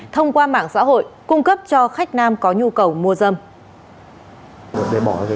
thông qua mạng xã hội cung cấp cho khách nam có nhu cầu mua dâm